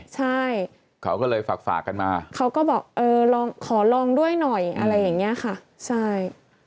ใช่เขาก็เลยฝากฝากกันมาเขาก็บอกเออลองขอลองด้วยหน่อยอะไรอย่างนี้ค่ะใช่